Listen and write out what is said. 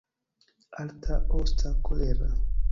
Alta, osta, kolera.